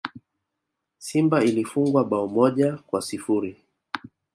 Simba ilifungwa bao moja kwa sifuri